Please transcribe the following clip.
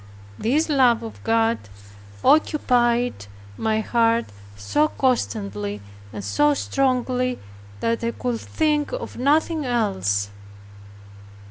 This love of God occupied my heart so constantly and so strongly, that I could think of nothing else.